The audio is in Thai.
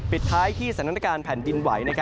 บิดท้ายที่สำนักการย์แผ่นดินไหหวน